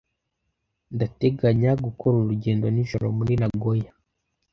Ndateganya gukora urugendo nijoro muri Nagoya.